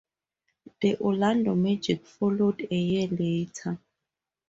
The Orlando Magic followed a year later.